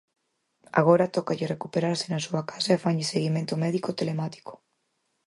Agora tócalle recuperarse na súa casa e fanlle seguimento médico telemático.